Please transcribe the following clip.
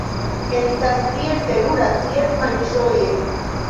Estas tiel terure, tiel malĝoje!